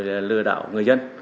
để lừa đảo người dân